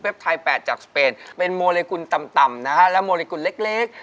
เปปไทยแปดจากสเปนเป็นโมเลกุลต่ำต่ำนะคะแล้วโมเลกุลเล็ก